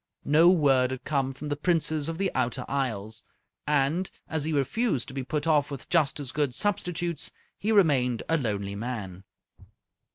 No word had come from the Princess of the Outer Isles, and, as he refused to be put off with just as good substitutes, he remained a lonely man.